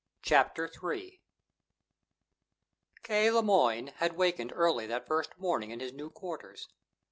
CHAPTER III K. Le Moyne had wakened early that first morning in his new quarters.